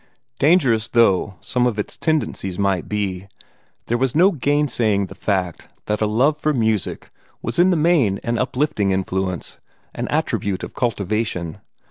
Dangerous though some of its tendencies might be, there was no gainsaying the fact that a love for music was in the main an uplifting influence an attribute of cultivation.